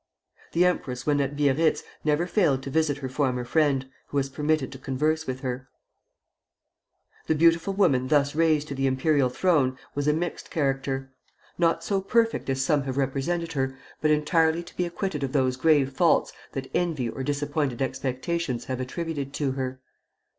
The empress when at Biarritz never failed to visit her former friend, who was permitted to converse with her. [Footnote 1: Saturday Review, 1885.] The beautiful woman thus raised to the imperial throne was a mixed character, not so perfect as some have represented her, but entirely to be acquitted of those grave faults that envy or disappointed expectations have attributed to her.